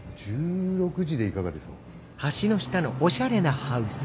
１６時でいかがでしょう？